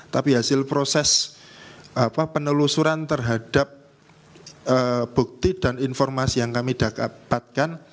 tapi hasil proses penelusuran terhadap bukti dan informasi yang kami dapatkan